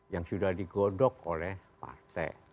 yang sudah digodok oleh partai